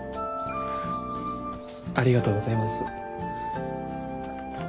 ありがとうございます。